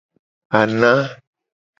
Ana.